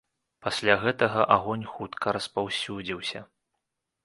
Пасля гэтага агонь хутка распаўсюдзіўся.